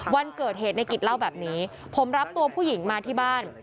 วันเกิดเหตุในกิจเล่าแบบนี้ผมรับตัวผู้หญิงมาที่บ้าน